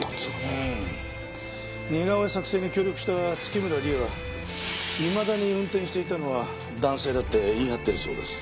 似顔絵作成に協力した月村理絵はいまだに運転していたのは男性だって言い張ってるそうです。